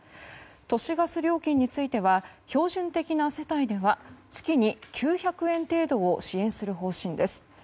都市ガス料金については標準的な世帯では月に９００円程度を支援する方針です。